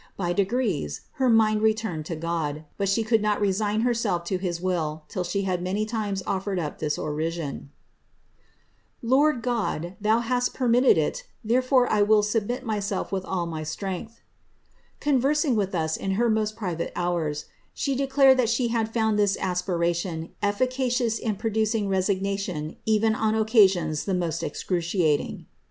By degrees her mind relumed to God, but she could not resign herself to his will till she had many limes ofiered up this orison — ^*^Lord God, thou hast permitted it — therefore will I submit myself with all my strength P Conversing with us in her most private houn, she declared that she had found this aspiration efficacious in producing resignation even on occasions the most excruciating.